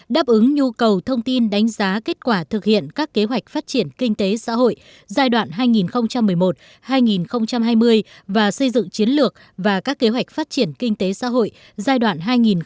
đáp ứng nhu cầu thông tin đánh giá kết quả thực hiện các kế hoạch phát triển kinh tế xã hội giai đoạn hai nghìn một mươi một hai nghìn hai mươi và xây dựng chiến lược và các kế hoạch phát triển kinh tế xã hội giai đoạn hai nghìn một mươi sáu hai nghìn hai mươi